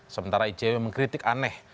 sementara icw mengkritik aneh